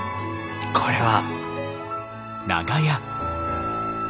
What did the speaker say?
これは。